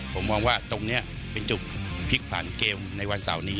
ผมมองว่าตรงนี้เป็นจุดพลิกผันเกมในวันเสาร์นี้